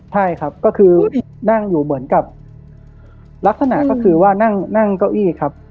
ใช่ครับก็คือนั่งอยู่เหมือนกับลักษณะก็คือว่านั่งเก้าอี้ครับ